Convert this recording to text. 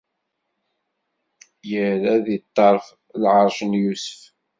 Irra di ṭṭerf lɛerc n Yusef.